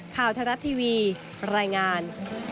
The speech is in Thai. ข่าวทรัฐทีวีรายงาน